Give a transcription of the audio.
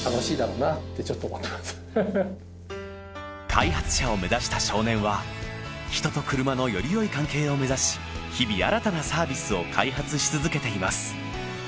開発者を目指した少年は人と車のより良い関係を目指し日々新たなサービスを開発し続けています